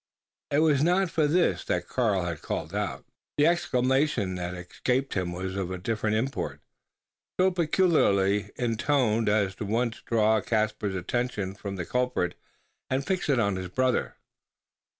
It was not for this that Karl had called out. The exclamation that escaped him was of a different import so peculiarly intoned as at once to draw Caspar's attention from the culprit, and fix it on his brother.